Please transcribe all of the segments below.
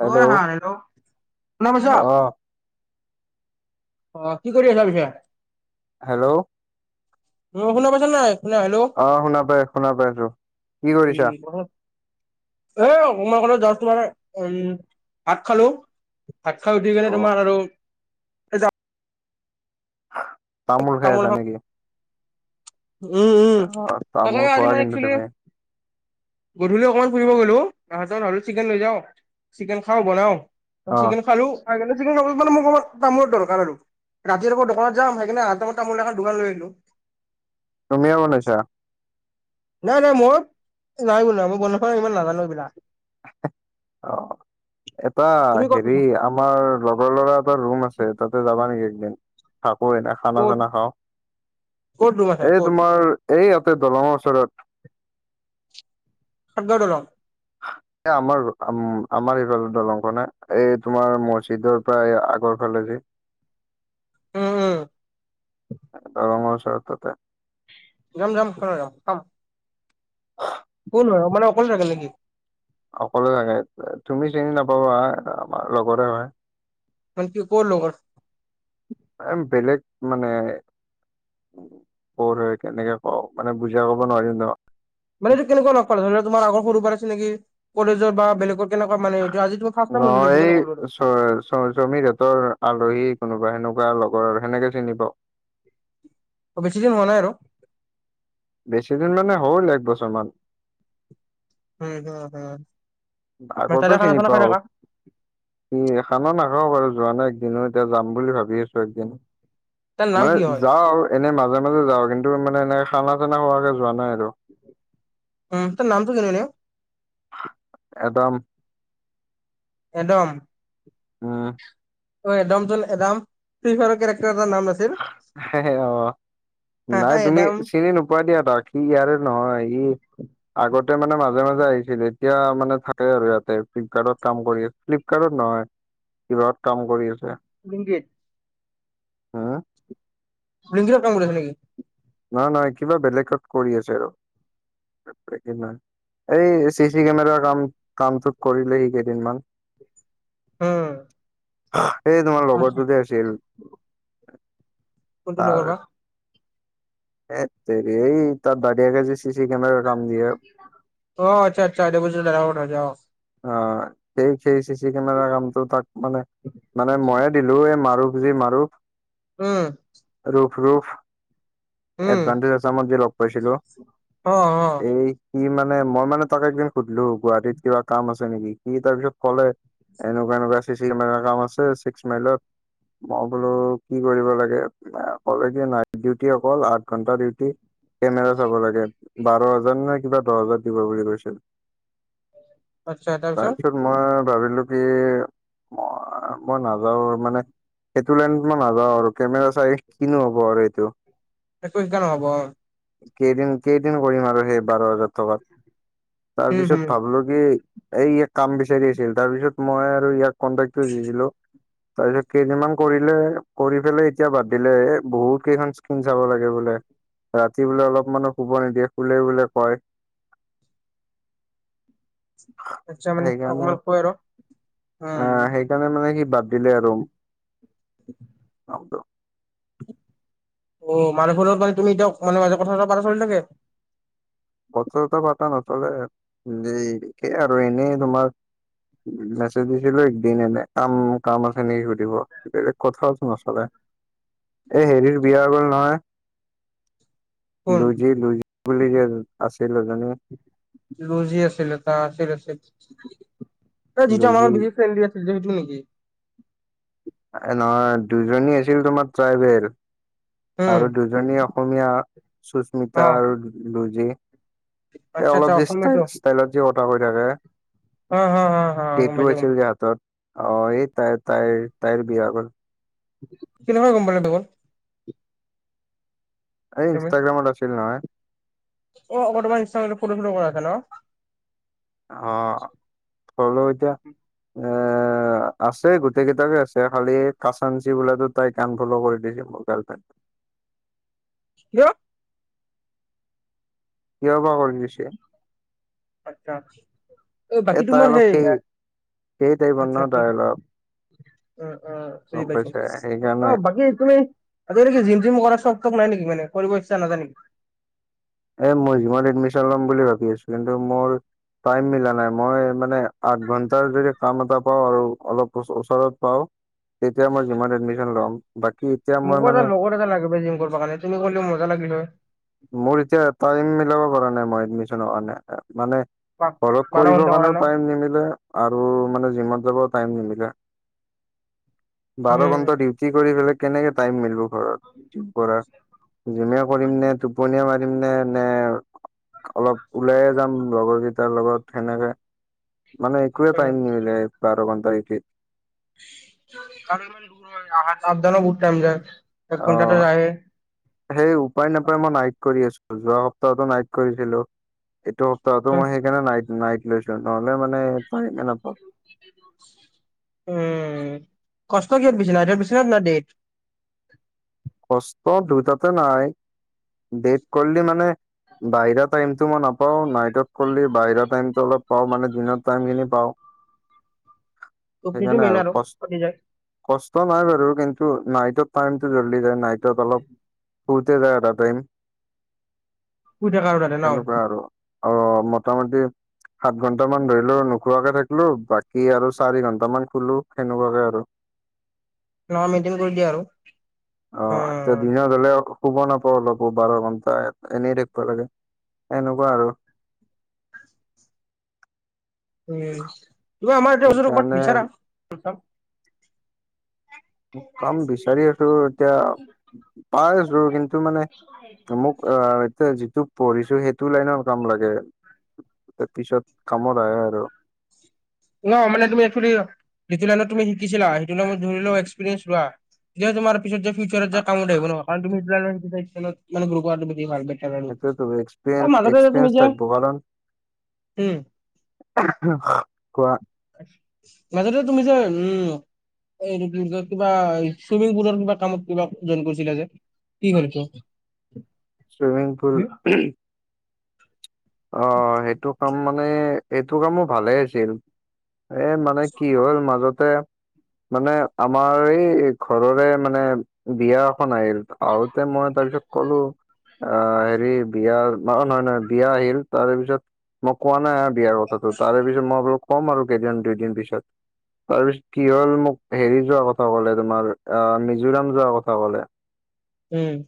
Hello শুনা পাইছা। অ অ' কি কৰি আছা পিছে? হেল্ল'। উম শুনা পাইছা নে নাই? শুনা হেল্ল'। অ' শুনা পাই শুনা পাই আছো। কি কৰিছা? এ একনমান আগতে যাষ্ট মানে তোমাৰ উম ভাত খালো। ভাত খাই উঠি অ কেনে তোমাৰ আৰু এই তামোল খাই আছা নেকি? উম উম। অ তাকে তামোল আজি খোৱা মই কিন্তু এক্সোৱেলি তুমি গধূলি অকণমান ফুৰিব গ'লো‌। আহতে ভাবিলো চিকেন লৈ যাও চিকেন খাও বনাও। অ চিকেন খালো চিকেন খালে মানে মোক তামোলৰ দৰকাৰ আৰু। ৰাতি আৰু ক'ত দোকানত যাম সেইকাৰণে আহাৰ টাইমত তামোল এখন দোখান লৈ আহিলো। তুমিয়ে বনাইছা? নাই নাই মই নাই বোনোৱা মই বনাব ইমান নাজানো এইবিলাক। অ' এটা তুমি ক'ত হেৰি পাইছা? আহ। আমাৰ লগৰ ল'ৰা এটা ৰুম আছে তাতে যাবা নেকি একদিন থাকো এনা খানা ক'ত, চানা খাওঁ ক'ত ৰুম আছে এই ক'ত? তোমাৰ এই তোমাৰ ইয়াতে দলঙৰ ওচৰত। কোনটো দলং? এ আমাৰ আমাৰ এইফালে দলং খন এ এই তোমাৰ মছজিদৰ [unintelligible] আগৰ ফালে যি। উম উম দলংৰ ওচৰত তাতে। যাম যাম কিয় নাযাম খাম। [unintelligible] কোন হয় মানে অকলে থাকে নেকি? অকলে থাকে তুমি চিনি নাপাবা আমাৰ লগৰে হয়। মানে কি কোৰ লগৰ? উম বেলেগ মানে। কৰ হয় কেনেকে কওঁ মানে বুজাই কব নোৱাৰিম ন। মানে এইটো কেনেকুৱা লগ পালা ধৰি লোৱা তোমাৰ আগৰ সৰুৰ পৰা চিনাকি কলেজৰ বা বেলেগত কেনেকুৱা মানে এইটো আজি কিবা ফাষ্ট টাইম শুনিলো এইটো কাৰণে ক'লো আৰু। চয় চমীৰহতৰ আলহী কোনোবা সেনেকুৱা লগৰ আৰু সেনেকে চিনি পাওঁ। অ' বেছি দিন হোৱা নাই আৰু। বেছি দিন মানে হ'ল এক বছৰমান। উম হুম হুম মানে তাতে খানা চনা খাই থকা। এ খানা নাখাওঁ বাৰু যোৱা নাই একদিনো এতিয়া যাম বুলি ভাবি আছো। একদিন তাৰ নাম কি মানে হয় যাওঁ আৰু এনে মাজে মাজে যাওঁ কিন্তু মানে এনে খানা খানা খোৱাকে যোৱা নাই আৰু। উম তাৰ নামটো [unintelligible] এদম এদম উম। এদাম যে এদাম ফ্ৰি ফ্ৰায়াৰৰ কেৰেক্টাৰ এটাৰ নাছিল অ' হা হা নাই তুমি এডাম চিনি নোপোৱা দিয়া তাক। ই ইয়াৰে নহয়। ই আগতে মানে মাজে মাজে আহিছিল। এতিয়া মানে থাকে আৰু ইয়াতে, ফ্লিপকাৰ্টত কাম কৰি আছে। ফ্লিপকাৰ্টত নহয়, কিউৰাত কাম কৰি আছে। কিংকে হা। লিংগেত কাম কৰি আছে নেকি? নহয় নহয়, কিবা বেলেগত কৰি আছে আৰু নাই। এই চিচি কেমেৰাৰ কাম, কামটোত কৰিলেহি কেইদিনমান। উম এই তোমাৰ আচ্ছা লগৰটো যে আহিছিল। কোনটো লগৰ বা। এত তেৰি, এই তাৰ দাদাকে যে চি চি কেমেৰাৰ কাম দিয়ে। অ', আচ্চা আচ্চা দেৱজিৎ দাদা। অ', হয় দে। অ', সেই, সেই চি চি কেমেৰাৰ কামটো তাক মানে মানে মইয়ে দিলোঁ, এই মাৰুফ যে মাৰুফ উম্। ৰূফ ৰূফ। উম এডভানটেজ আচামত যে লগ পাইছিলোঁ। অ অ এই সি মানে, মই মানে তাক একদিন সুধিলোঁ। গুৱাহাটীত কিবা কাম আছে নেকি? সি তাৰপিছত ক'লে, এনেকুৱা এনেকুৱা চি চি কেমেৰাৰ কাম আছে ছিক্স মাইলত। মই বোলো কি কৰিব লাগে। এ ক'লে যে, নাইট ডিউটি অকল আঠ ঘণ্টা ডিউটি। কেমেৰা চাব লাগে, বাৰ হাজাৰ নে কিবা দহ হাজাৰ দিব বুলি কৈছিল! তাৰপিছত মই ভাৱিলোঁ কি, মই নাযাওঁ মানে সেইটো লাইনত মই নাযাওঁ আৰু কেমেৰা চাই কিনো হ'ব আৰু এইটো। একো শিকাও নহ'ব। কেইদিন, কেইদিন কৰিম আৰু সেই বাৰ হাজাৰ টকাত। তাৰ উম পিছত হুম। ভাবিলোঁ, - কি, ই ইয়াত কাম বিচাৰি আছিল, তাৰ পিছত মই আৰু ইয়াক কন্টেক্টটো দি দিলোঁ। তাৰপিছত কেইদিনমান কৰিলে, কৰি পেলাই এতিয়া বাদ দিলে। এ বহুত কেইখন স্ক্ৰিন চাব লাগে বোলে। ৰাতি বোলে অলপ মানো শুব নিদিয়ে, শুলে বোলে কয়। আচ্ছা মানে সেইকাৰণে, অকমান কৈ আৰু উম অ', সেইকাৰণে মানে সি বাদ দিলে আৰু। [inaudible] [unintelligible] অ', মানুহজনৰ লগত মানে তুমি দিয়ক মানে মাজে মাজে কথা বতৰা চলি থাকে। কথা বাৰ্তা নচলে আৰু এনেই তোমাৰ। মেছেজ দিছিলোঁ একদিন এনেই। কাম কাম আছে নেকি সুধিব! বেলেগ কথাওটো নচলে। এ হেৰিৰ বিয়া গ'ল নহয়। কোন লুজি, লুজি বুলি যে আছিল এজনী। লুজি আছিলে, এটা আছিল আছিল। যিটো আমাৰ লুজি ফ্ৰেণ্ডলি আছিল। সেইটো এইটো নেকি? নহয় দুজনী আছিল তোমাৰ ট্ৰাইবেল উম আৰু দুজনী দুজনী অসমীয়া, অ সুস্মিতা আৰু লুজি। এ আচ্ছা আচ্ছা অলপ যে অসমীয়াটো ষ্টাইল, ষ্টাইলত যে কথা কৈ থাকে। অ হ হ হ গম টে'টো পাইছো গম আছিল পাইছো যে হাতত। অ', এই তাই, তাই তাইৰ বিয়া হ'ল। কেনেকে গম পালি পাগল? এই তুমি ইনষ্টাগ্ৰামত আছিল নহয়। [unintelligible] অ', হ'লেও এতিয়া এ আছে গোটেই কেইটাকে আছে খালি কাচানঞ্চি বোলা টোত তাই আনফলো কৰি দিছিল মোৰ গাৰ্লফ্ৰেডে। কিয়? কিয়বা কৰি দিছি। আচ্ছা, এই বাকী তাই তোমাৰ অলপ সেই সেই টাই বন্ ন' তাই অলপ অ', অ', চিনি গম পাইছো, পাইছা সেইকাৰণে অ', বাকী তুমি আজিকালি কি জিম থিম কৰা চক থক নাই নেকি মানে কৰিব ইচ্ছা নাযায় নেকি? এ মই জীমত এডমিশন ল'ম বুলি ভাবি আছোঁ, কিন্তু মোৰ টাইম মিলা নাই, মই মানে আঠ ঘন্টাৰ যদি কাম এটা পাওঁ আৰু অলপ ওচৰত পাওঁ। তেতিয়া মই যিমান এডমিশন ল'ম। বাকী এতিয়া মই মোকো এটা মানে লগৰ এটা লাগিব জিম কৰিব কাৰণে তুমি ক'লেও মজা লাগিল হয়। মোৰ এতিয়া টাইম মিলাব পৰা নাই মই এডমিশনৰ কাৰণে মানে পাক ঘৰত বাৰ কৰিব ঘণ্টা কৰা কাৰণেও ন টাইম নিমিলে আৰু মানে জিমত যাবও টাইম নিমিলে। বাৰ উম ঘন্টা ডিউটি কৰি পেলাই কেনেকে টাইম মিলিব ঘৰত জিম কৰা। জিমে কৰিম নে টোপনীয়ে মাৰিম নে নে অলপ ওলায়ে যাম লগৰকেইটাৰ লগত সেনেকে মানে একুৱে উম। টাইম নিমিলে বাৰ ঘন্টা ডিউটি। ইমান দূৰ আহাত আপ দাউনো বহুত টাইম যায়। এক ঘণ্টাটো অহ। যায়ে সেই উপায় নাপায় মই নাইট কৰি আছোঁ যোৱা সপ্তাহতো নাই কৰিছিলোঁ, এইটো তইতো মই সেইকাৰণে নাই নাইট লৈছো নহ'লে মানে টাইমে নাপাওঁ। উম, কষ্ট কিহত বেছি নাইটত বেছি না ডেট? কষ্ট দুটাতে নাই, ডেট কৰিলি মানে বাহিৰা টাইমটো মই নাপাওঁ নাইটত কৰলি বাহিৰা টাইমটো অলপ পাওঁ মানে দিনৰত টাইমখিনি পাওঁ। [inaudible] টোপনিটো সেইকাৰণে মেইন আৰু কষ্ ফটি যায় কষ্ট নাই বাৰু কিন্তু নাইটত টাইমটো জ্বল্দি যায় নাইটত অলপ শুওতে যায় আধা টাইম শুই থাকা আৰু তাতে ন সনেকুৱা আৰু। অ', মোটামুটি সাত ঘন্টামান ধৰিলোঁ নোখোৱাকে থাকিলো বাকী আৰু চাৰি ঘন্ টা মান শুলো সেনেকুৱাকে আৰু। নহ মেইনটেইন কৰি দিয়া আৰু। অ', আতা দিনত হ'লেও শুব নাপাওঁ অলপো বাৰ ঘন্টা এনেই থাকপা লাগে এনেকুৱা আৰু। উম, তুমি আমাৰ এতিয়া ওচৰত সেইকাৰণে কবাত বিচাৰা [unintelligible] মোক কাম বিচাৰি আছোঁ এতিয়া পাই আছোঁ কিন্তু মানে মোক অহ, এতিয়া যিটো পঢ়িছো সেই টো লাইনৰ কাম লাগে ত পিছত কামত আহে আৰু। অ', মানে তুমি এক্সুলি সেইটো লাইনত তুমি শিকিছিলা সেইটো লাইনত ধৰিও এক্সপিৰিয়েঞ্চ লোৱা। তেতিয়া তোমাৰ পিছত যে ফিউচাৰত যে আহিব ন' কাৰণ তুমি [unintelligible] সেইটোৱেইটো অ এক্সপেন্স মাজতে যে তুমি এক্সপিৰেন্স যে থাকব কাৰণ উম কোৱা। মাজতে তুমি যে, উম এইটো কি বুলি কয় কিবা চুইমিং পুলৰ কিবা কামত কিবা জইন কৰিছিলা যে কি হ'ল সেইটো? চুইমিং পুল অ', সেইটো কাম মানে এইটো কামো ভালে আছিল। এ মানে কি হ'ল মাজতে মানে আমাৰ এই ঘৰৰে মানে বিয়া এখন আহিল আহোঁতে মই তাৰপিছত ক'লো অ', হেৰি বিয়া ম নহয়, নহয় বিয়া আহিল। তাৰেপিছত মই কোৱা নাই আৰু বিয়াৰ কথাটো তাৰেপিছত মই বোলোঁ ক'ম আৰু কেইদিন দুইদিন পিছত। তাৰপিছত কি হ'ল মোক হেৰি যোৱা কথা ক'লে তোমাৰ অ', মিজোৰাম যোৱাৰ কথা ক'লে। উম।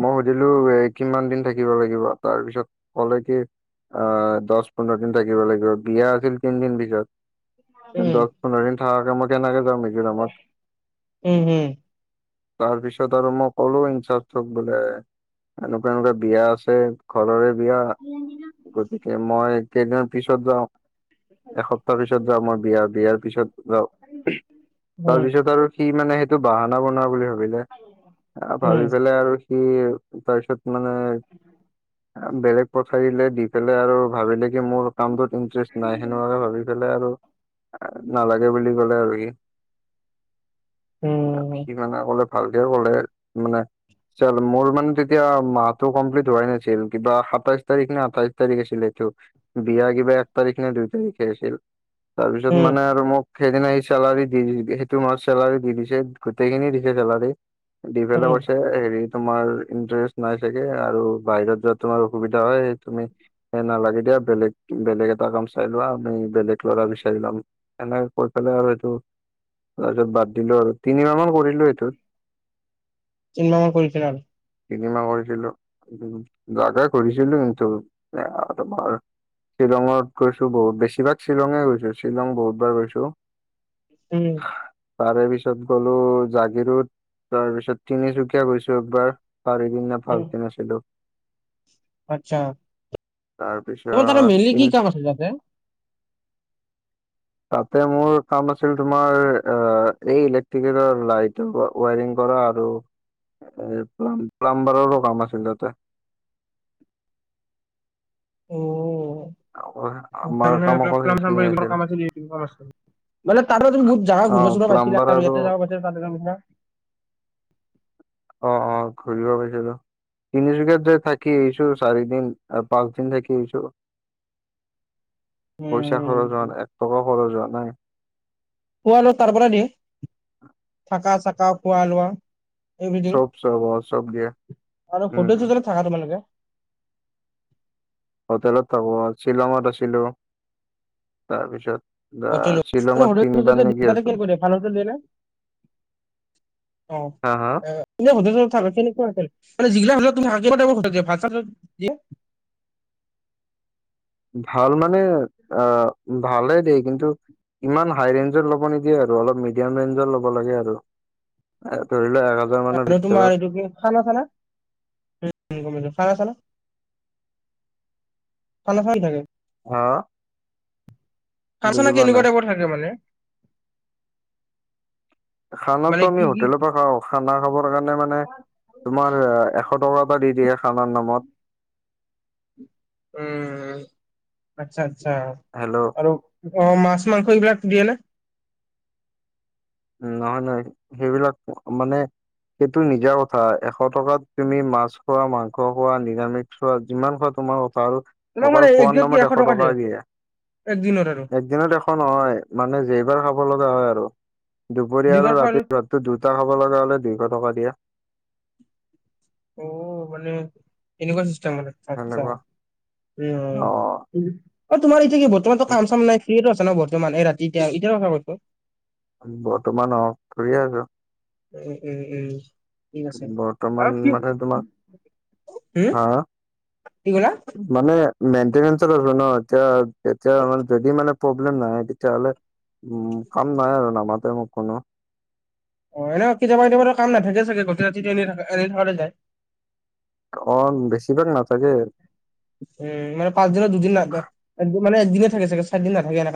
মই সুধিলোঁ এ কিমান দিন থাকিব লাগিব? তাৰ পিছত ক'লে কি অ', দচ, পোন্ধৰ দিন থাকিব লাগিব বিয়া আছিল তিনদিন পিছত। উম দচ, পোন্ধৰ দিন থাকাকে মই কেনেকে যাওঁ মিজোৰামত? উম উম তাৰপিছত আৰু মই ক'লো ইনচাৰ্জক বোলে এনেকুৱা, এনেকুৱা বিয়া আছে ঘৰৰে বিয়া গতিকে মই কেইদিনৰ পিছত যাওঁ। এসপ্তাহ পিছত যাওঁ মই বিয়া বিয়াৰ পিছত যাওঁ উম তাৰপিছত আৰু সি মানে সেইটো বাহানা বনোৱা বুলি ভাবিলে ভাবি উম পেলাই আৰু সি তাৰপিছত মানে বেলেগ পঠাই দিলে দি পেলাই আৰু ভাবিলে মোৰ কামটোত ইন্টাৰেষ্ট নাই সেনেকুৱাকে ভাবি পেলাই আৰু নালাগে বুলি ক'লে আৰু সি। উম সি মানে ক'লে ভালকে ক'লে মানে মোৰ মানে তেতিয়া মাহটো কমপ্লিট হোৱাই নাছিল কিবা সাতাইশ তাৰিখনে আঠাইশ তাৰিখ আছিল এইটো। বিয়া কিবা এক তাৰিখনে দুই তাৰিখে আছিল তাৰপিছত উম মানে আৰু মোক সেইদিনা এই চেলাৰি দি-দি সেইটো মাহৰ চেলাৰি দি দিছে গোটেইখিনি দিছে চেলাৰী দি উম পেলাই কৈ হেৰি তোমাৰ ইণ্টাৰেষ্ট নাই চাগে আৰু বাহিৰত যোৱাত তোমাৰ অসুবিধা হয়, তুমি সেই নালাগে দিয়া বেলেগ বেলেগ এটা কাম চাই লোৱা আমি বেলেগ ল'ৰা বিচাৰি ল'ম। সেনেকে কৈ পেলাই আৰু সেইটো তাৰপিছত বাদ দিলোঁ আৰু তিনিমাহ মান কৰিলোঁ এইটো। তিনিমাহ মান কৰিছিল আৰু। তিনিমাহ কৰিছিলোঁ [unintelligible] কৰিছিলোঁ কিন্তু এ তোমাৰ শ্বিলঙত গৈছোঁ বহুত বেছিভাগ শ্বিলঙে গৈছোঁ শ্বিলং বহুতবাৰ গৈছোঁ। উম। তাৰে পিছত গ'লো জাগীৰোড তাৰপিছত তিনিচুকীয়া গৈছোঁ একবাৰ। চাৰিদিন নে পাঁচদিন আছিলোঁ। আচছা, তোমাৰ তাতে তাৰপিছত মেনলি তিন কি কাম আছিল তাতে? [unintelligible] তাতে মোৰ কাম আছিল তোমাৰ অ', এই ইলেক্ট্ৰটিকেলৰ লাইটৰ ৱায়ৰিং কৰা আৰু এ প্লাম-প্লাম্বাৰৰো কাম আছিল তাতে। অ', [unintelligible] আমাৰ কাম অকল সেইখিনিয়ে কাম আছিল। মানে তাততে তুমি বহুত জাগা ঘূৰিব অ' চুৰিব পাইছিলা প্লাম্বাৰ আৰু ইয়াতে যাব পৰা তাতে যাব [unintelligible] অ', অ', ঘূৰিব পাইছিলোঁ। তিনিচুকীয়াত যায় থাকি আহিছোঁ চাৰি দিন আৰু পাঁচ দিন থাকি আহিছোঁ। পইচা উম। খৰচ হোৱা নাই এক টকায়ো খৰচ হোৱা নাই। খুৱ লোৱা তাৰ পৰা দিয়ে থাকা চাকা খোৱা লোৱা। এভথিং চব চব অ চব দিয়ে আৰু উম হোটেল উম চোটেল থাকা তোমালোকে। হোটেলত থাকো শ্বিলঙত আছিলো তাৰপিছত আহ, হোটেল শ্বিলঙত হোটেল দ তিনিবাৰ নেকি ততে আছো কি কৰি ভাল হোটেল দিয়ে নে। হা হা অ এয়া। এনেই সোধিছো তাৰ। ভাল মানে আহ ভালেই দেই কিন্তু। ইমান হাই ৰেঞ্জৰ ল'ব নিদিয়ে আৰু অলপ মিডিয়াম ৰেঞ্জৰ ল'ব লাগে আৰু। এ ধৰি লোৱা আৰু। আৰু তোমাৰ এইটো কি খানা -চানা। উ গম পাইছো খানা -চানা খানা খান নাথাকে। হা খানা -চানা বুজি পোৱা কেনেকুৱা নাই টাইপৰ থাকে মানে। মানে খানাটো আমি কি কি হোটেলৰ পৰা খাওঁ। খানা খাবৰ কাৰণে মানে তোমাৰ এশ টকা এটা দি দিয়ে খানাৰ নামত। উম আচ্ছা আচ্ছা। হেল্ল'। আৰু অ মাছ মাংস এইবিলাক দিয়ে নে। নহয় নহয় সেইবিলাক মানে। সেইটো নিজা কথা এশ টকাত তুমি মাছ খোৱা, মাংস খোৱা নিৰামিষ। চোৱা যিমান খোৱা তোমাৰ কথা আৰু। তোমাক মানে অকল খোৱাৰ একদিনত কি নামত এশ টকা দিয়ে। একদিনত আৰু এদিনত এখ নহয় মানে যেইবাৰ খাব লগা হয় আৰু। দুপৰীয়া আৰু দুইবাৰ ৰাতি খোৱালে ভাতটো দুটা খাব লগা হ'লে দুইশ টকা দিয়া। অ মানে এনেকুৱা চিষ্টেম আৰু আচ্ছা আচ্ছা সেনেকুৱা উম অ উম। অ তোমাৰ এতিয়া কি বৰ্তমান কাম চাম নাই ফ্ৰীয়েটো আছা ন বৰ্তমান এই ৰাতি এতিয়া এতিয়াৰ কথা কৈছো। বৰ্তমান অ ফ্ৰীয়ে আছো। উম উম উম। ঠিক আছে হা বৰ্তমান কি মানে তোমাৰ হম হা কি কলা। মানে মন্তেনেন্সৰ বাবে ন আচ্ছা এতিয়া মানে যদি মানে প্ৰব্লেম নাহে তেতিয়াহ'লে। উম কাম নাই আৰু নামাতে মোক কোনো। অ এনে কেতিয়াবা কেতিয়াবাটো কাম নাথাকে চাগে গোটেই ৰাতিটো এনে থাকা এনেই থাকাতে যায়। অ বেছিভাগ নাথাকে। উম মানে পাঁচদিনত দুদিন না একদিন মানে একদিনে থাকে চাগে চাৰিদিন নাথাকে কাম।